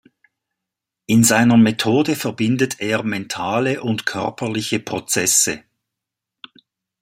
In seiner Methode verbindet er mentale und körperliche Prozesse.